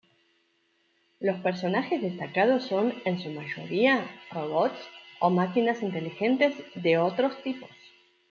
Los personajes destacados son en su mayoría robots o máquinas inteligentes de otros tipos.